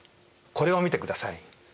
これを見てください。